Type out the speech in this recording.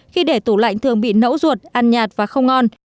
khi để tủ lạnh thường bị nấu ruột ăn nhạt và không ngon